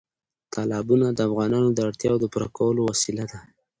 تالابونه د افغانانو د اړتیاوو د پوره کولو وسیله ده.